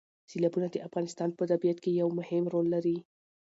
سیلابونه د افغانستان په طبیعت کې یو مهم رول لري.